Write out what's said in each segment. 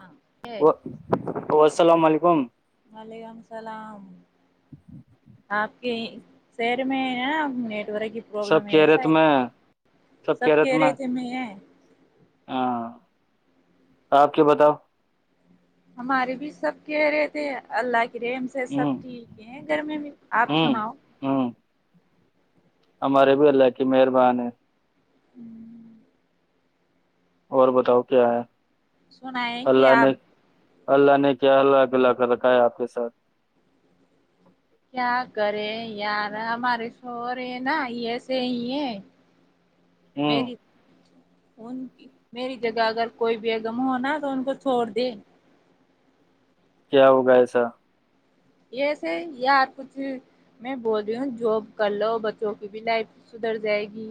ہاں السلام علیکم وعلیکم السلام آپ کے شہر میں ہے نا نیٹ ورک سب پرابلم یہ سا کیریت میں سب کہہ رہے تھے میں ہے ہاں تو آپ کی بتاؤ ہمارے بھی سب کہہ رہے تھے اللہ کی رحم سب ہ ٹھیک ہے گھر میں بھی آپ سناؤ ہاں ہمارے بھی اللہ کی مہربان ہے ہوں اور بتاؤ کیا ہے سنا ہے کہ اللہ آپ نے اللہ نے کیا اللہ اللہ کر رکھا ہے آپ کے ساتھ کیا کرے یار ہمارے سو رہے نا یہ ص ہی ہے ہوں ویری ان میری جگہ اگر کوئی بھیگم ہوناا تو ان کو چھوڑ دے کیا ہوگا ایسا ایسے یار کچھ میں بول رہی ہوں جاب کر لو بچوں کی بھی لائف سدھر جائے گی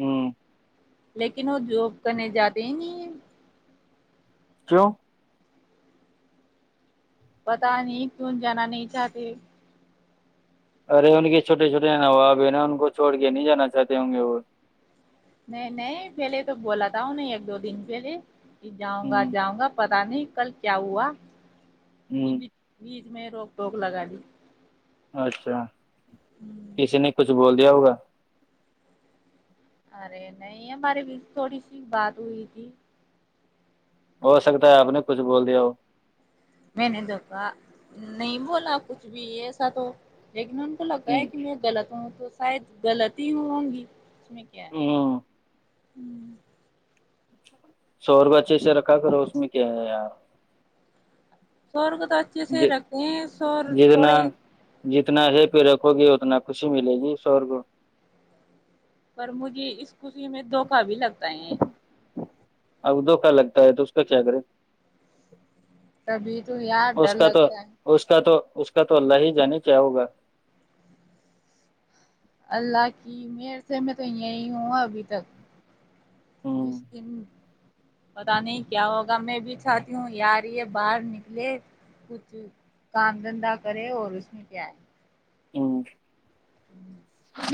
ہوں لیکن وہ جاب کرنے جاتے ہی نہیں کیوں پتا نہیں کین جانا نہیں چاہتے ارے ان کے چھوٹے چھوٹے نواب ہے نا ان کو چھوڑ کے نہیں جانا چاہتے ہوں گے وہ نہیں نہیں پہلے تو بولا تھا نہیں ایک دو دن پہلے جاؤں گا ہ جاؤں گا پتا نہیں کل کیا ہوا ہ بیچ میں روک ٹوک لگا دی اچھا ہوں، کسی نے کچھ بول دیا ہوگا ارے نہیں ہمارے بیچ تھوڑی سی بات ہوئی تھی ہو سکتا ہے آپ نے کچھ بول دیا ہو میں نے دیکھا نہیں بولا کچھ بھی ایسا تو لیکن تو لگتاا ہ ہے کہ میں غلط ہوں تو شاید غلط ہی ہوں گی اس میں [inaudible] ہ سکل سوورو اچھے سے رکھا کرو اس میں کیا ہے یار شور کو تو اچھے سے رکھتے ہیں سور جتنا تھڑے جتنا ہی پہ رکھو گی اتنا خوشی ملے گی سور کو پر مجھے اس خشی میں دھوکہا بھی لگتا ہے اب دھوکا لگتا ہے تو اس کا کیا کرے تبھی تو یار ڈر اس کا تو لگتا ہے اس کا تو اس کا تو اللہ ہی جانے کیا ہوگا اللہ کی م سے میں تو یہی ہوں ابھی تک جس ہ دن پتا نہیں کیا ہوگا میں بھی چاہتی ہوں یہ آ رہی ہے باہر نکلے کچھ کام دھندا کرے اور اس میں کیا ہے ہوں ہوں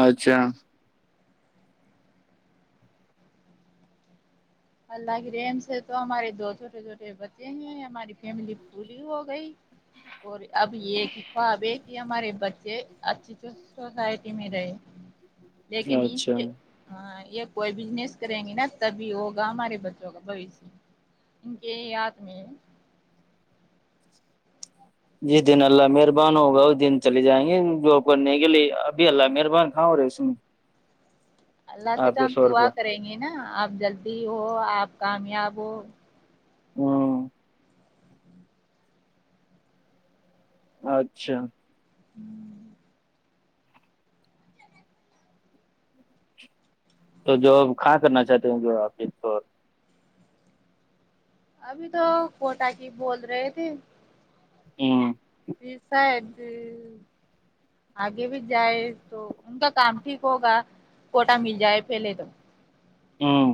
اچھا اللہ کی ریم سے تو ہمارے دو چھوٹے چھوٹے بچے ہیں ہماری فیملی پوری ہو گئی اور اب یہ کہ کو اب ایک ہمارے بچے اچھی سوسائٹی میں رہے لیکن اچھا ہاں یہ کوئی بزنس کریں گی نا تبھی ہوگا ہمارے بچوں کا بوشیہ ان کے یاد میں جس دن اللہ مہربان ہوگا اس دن چلے جائیں گے جاب کرنے کے لیے ابھی اللہ مہربان کاں ہو رہے اس میں اللہ سے آپ تو کے ہم سو دعا روپئے کریں گے نا آپ جلدی ہو آپ کامیاب ہو ہوں اچھا ہوں تو جو کھاں کرنا چاہتے ہیں جو آپ اس کو ابھی تو کوٹا کی بول رہے تھے ہ ویسد آگے بھی جائے تو ان کا کام ٹھیک ہوگا کوٹا مل جائے پہلے تو ہوں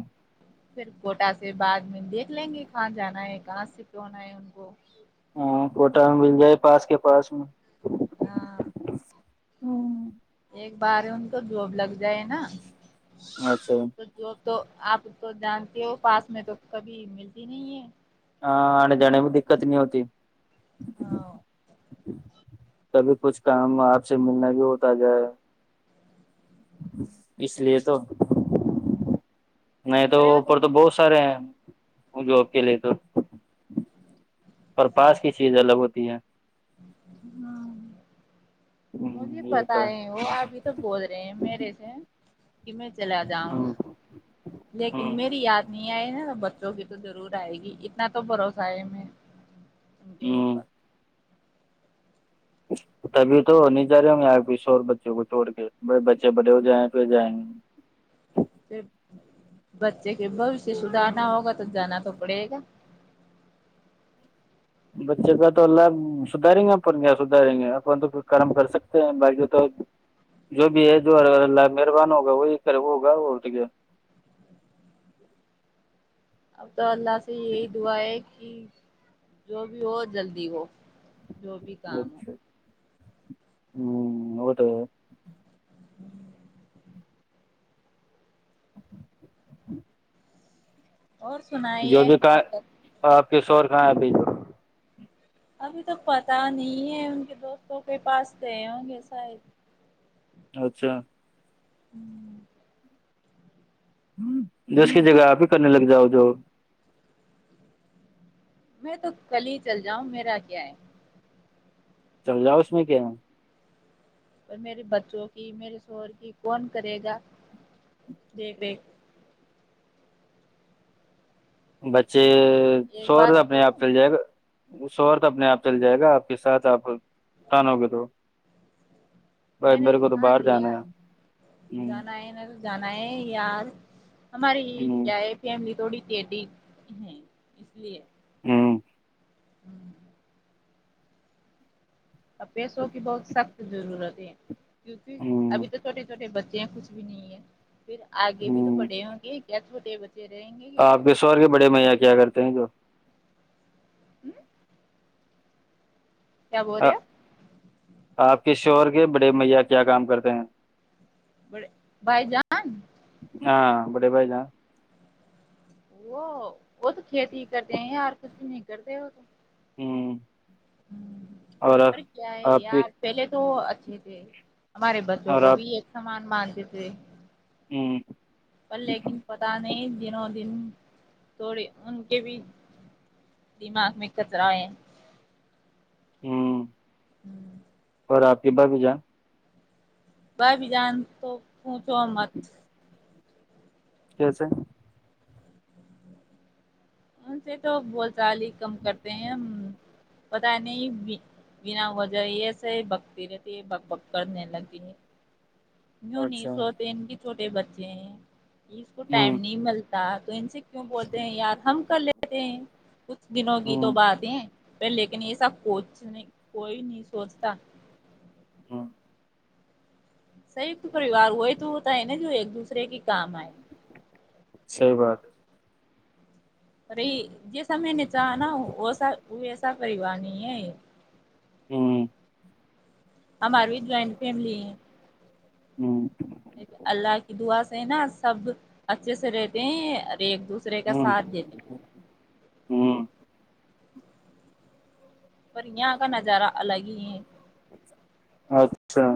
پھر کوٹا سے بعد میں دیکھ لیں گے کہاں جانا ہے کہاں سے توونا ہے ان کو ہاں کوٹا مل جائے پاس کے پاس میں ہاں او ایک بار ان کو ڈھوب لگ جائے نا اچھا جو تو آپ تو جانتے ہو پاس میں تو کبھی ملتی نہیں ہے ہاں جنے بھی دکت نہیں ہوتی ہاں کبھی کچھ کام آپ سے ملنا بھی ہوتا جائے اس لیے تو نہیں تو ارے وہ اوپر تو بہت سارے ہیں وہ جاب کے لیے تو پر پاس کی چیز الگ ہوتی ہے ہاں مجھے یہ پتا ہوتا ہے وہ ابھی تو بول رہے ہیں میرے سے کی میں چلا جاؤں گا ہ لیکن میری یاد نہیں آئی نا بچوں کی تو ضرور آئے گی اتنا تو بھروسہ ہے میں ہ جوپا اچ تبھی تو نہیں جا رہے ہوں گے آپ پ ش اور بچوں کو چھوڑ کے بڑے بچے بڑے ہو جائیں پ جائیں گے پ بچے کے بوشیہ سدھارنا ہوگا تو جانا تو پڑے گا بچے کا تو لھ سدھاریں گے اپن کیا سدھاریں گے اپن تو ک کام کر سکتے ہیں باقی تو جو بھی ہے جو اللہ مہربان ہوگا وہی کر وہ ہوگا وہ اب تو اللہ سے یہی دعا ہے ج جو بھی ہو جلدی ہو جو بھی کام ہو ہوں اوٹ [inaudible] [inaudible] اور جو سنائیے بھی کہ آپ ت آپ کے شور کہاں ابھی ابھی تو پتا نہیں ہے ان کے دوستوں کے پاس گے ہوں گے شاید اچھا ہوں جو اس کی جگہ آپ ہی کرنے لگ جاؤ جو میں تو کل ہی چل جاؤں میرا کیا ہے چل جاؤ اس میں کیا اور میرے بچوں کی میرے شوہر کی کون کرے گا دیکھ ویکھ بچے ایک سو ر سے بات اپنے آپ بولوں چل جائے گا اس اورت اپنے آپ چل جائے گا آپ کے ساتھ آپ کان ہو گ تو بائی میں نے میرے کو تو ٹھان باہر لیا جانا ہے ہ جانا ہے نا جانا ہے یار ہماریے کیا ہے فیملی توڑی ت ہے ڈ اس لیے ہوں ہوں اور پیسوں کی بہت سخت ضرورتیں کیونکہ ہ ابھی تو چھوٹے چھوٹے بچے ہیں کچھ بھی نہیں ہے پھر آگے بھی تو ہ بڑے ہوں گے کیا چھوٹے بچے رہیں گے کیا ور کے بڑے میا کیا کرتے ہیں جو ہوں کیا بول رہے ہوپ آپ کے شوہر کے بڑے میا کیا کام کرتے ہیں بڑے بھائی جان ہاں بڑے بھائی جان وہ وہ تو کھیتی کرتے ہیں یار کسی نہیں کرتے ہو تو ہوں پر کیا ہے آپ کی یار پہلے تو اچھے تھے ہمارے بچوں اور کو آپ بھی ایک سامان مان دیتے ہوں پر لیکن پت نہیں دنوں دن تھوڑی ان کے بھی دماغ میں کچرا ہے ہوں ہوں اور آ پبا بھی جا ب بھی جان تو ت چ مت کیسے ان سے تو بول چال ہی کم کرتے ہیں پت نہیں بنا وجہ یہسے ہی بگتی رہتی ہے بگ بک کرنے لگتی ہے یوں نہیں اچھا سوتے ان کے چھوٹے بچے ہیں اس کو ٹائم ہوں نہیں ملتا تو ان سے کیوں بولتے ہیں یاار ہم کر لیتے ہیں کچھ دنوں کی تو ہوں باتیں لیکن یہ سب کچھ نہیں کوئی نہیں سوچتا ہوں سیت پریوار وہ ہی تو ہوتا ہے نا جو ایک دوسرے کی کام آئے سی بات ارے جیسا میں نے چاہا نا وسا ویسا پریوار نہیں ہے ہوں ہممار بھی جوائنٹ فیملی ہے ہوں اللہ کی دعا سے ہے نا سب اچھے سے رہتے ہیں اور ایک دوسرے کا ہوں ساتھ دیتے ہیں ہوں پر یہاں کا نظارہ الگ ہی ہے اچھا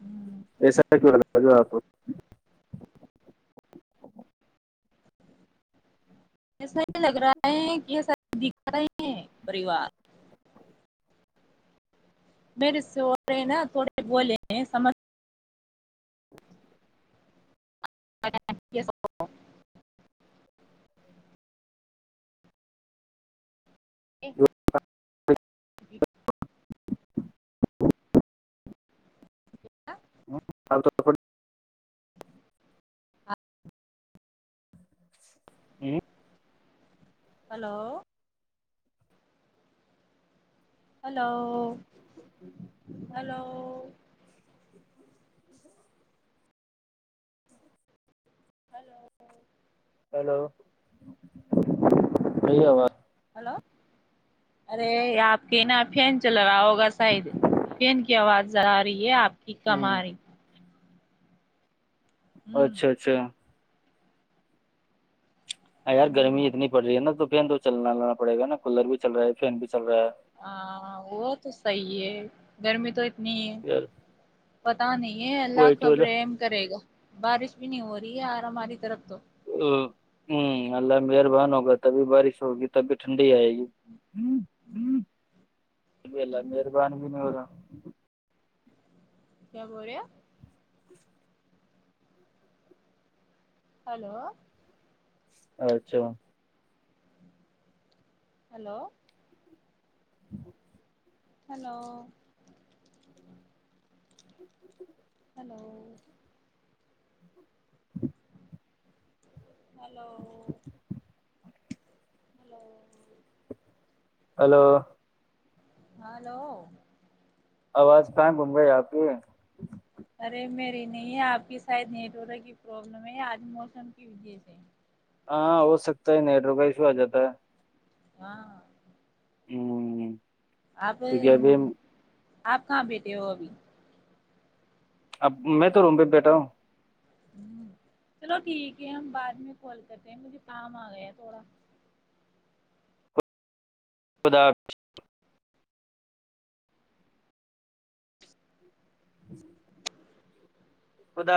ہوں ایسا لگ آپ کو ایسا یہ لگ رہا ہے کہ یہ سب دکھ رہے ہیں پریوار میرے سے ہو رہے نا تھوڑے بولے ہیں سمجھ ایک جی جا ہوں تو ہوں hello hello hello hello hello بئی آواز ہلو ارے آپ کے نا فین چل رہا ہوگا ہوگا سد فین کی آواز جا رہی ہے آپ کی ہوں کماری ہوں اچھا اچھا ہاں یار گرمی ہوں اتنی پڑ رہی ہے نا تو فین تو چلنا لانا پڑے گا نا کولر بھی چل رہا ہے فین بھی چل رہا ہے ہاں وہ تو صحی ہے گرمی تو نہیں یار پتا نہیں ہے اللہ وہی تو خبر نا ہے کرے گا بارش بھی نہیں ہو رہی ہے ار ہماری طرف تو ہوں اللہ مہربان ہوگا تبھی بارش ہوگی تب بھی ٹھنڈی آئے گی ہب اللہ مہربان بھی نہیں ہوگا کیا بول رہے ہلو اچھا ہیلو ہلو ہیلو جی ہلو ہلوی ہلو ہلو آواز کہاں گھوم گئی آپ کی ارے میری نہیں آپ کی شاید نیٹ ورک کی پرابلم ہے آج موسم کی وجہ سے ہاں ہو سکتا ہے نیٹھ روپئے ایشو آ جاتا ہے ہاں [unintelligible] ہوں [unintelligible] آپ آپ کہاں بیٹے ہو ابھی اب میں تو روم پہ بیٹا ہوں ہ چلو ٹھیک ہے ہم بعد میں کال کرتے ہیں مجھے کام آ گیا تھوڑا خدا ادا